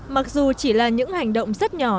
mặc dù chỉ là những hành động rất nhỏ